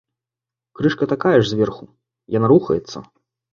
Крышка такая ж зверху, яна рухаецца.